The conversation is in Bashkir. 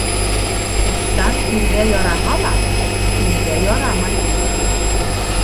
Ҡуштан иргә яраһа ла, илгә ярамай.